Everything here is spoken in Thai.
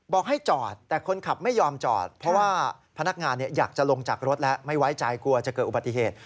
บอกให้จอดแต่คนขับไม่ยอมจอดเพราะว่าพนักงานอยากจะลงจากรถแล้วไม่ไว้ใจกลัวจะเกิดอุบัติเหตุ